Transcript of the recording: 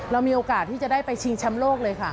เรามีโอกาสที่จะได้ไปชิงแชมป์โลกเลยค่ะ